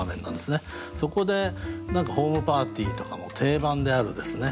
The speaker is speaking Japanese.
そこで何かホームパーティーとかの定番であるですね